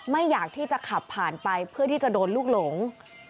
อยากที่จะขับผ่านไปเพื่อที่จะโดนลูกหลง